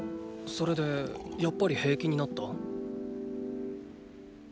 それでやっぱり平気になった？